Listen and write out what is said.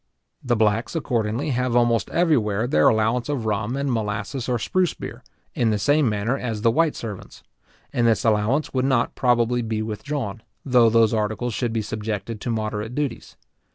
The blacks, accordingly, have almost everywhere their allowance of rum, and of molasses or spruce beer, in the same manner as the white servants; and this allowance would not probably be withdrawn, though those articles should be subjected to moderate duties.